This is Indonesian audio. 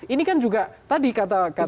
ini kan juga tadi kata